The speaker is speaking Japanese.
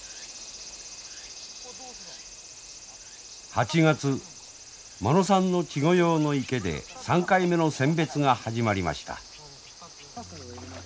８月間野さんの稚魚用の池で３回目の選別が始まりました。